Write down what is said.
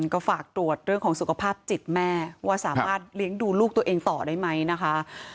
ก็ฝากตรวจเรื่องของสุขภาพจิตแม่ว่าสามารถเลี้ยงดูลูกตัวเองต่อได้ไหมนะคะ